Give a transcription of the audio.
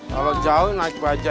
kalau jauh naik bajaj aja